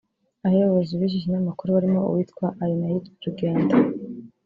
Aba bayobozi b’iki kinyamakuru barimo uwitwa Arinaitwe Rugyendo